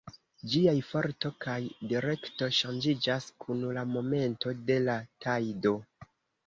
Ĝiaj forto kaj direkto ŝanĝiĝas kun la momento de la tajdo.